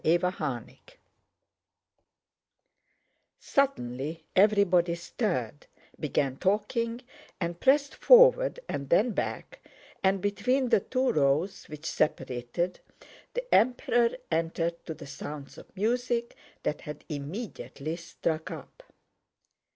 CHAPTER XVI Suddenly everybody stirred, began talking, and pressed forward and then back, and between the two rows, which separated, the Emperor entered to the sounds of music that had immediately struck up.